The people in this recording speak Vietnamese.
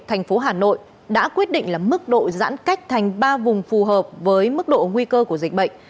hà nội đã quyết định mức độ giãn cách thành ba vùng phù hợp với mức độ nguy cơ của dịch bệnh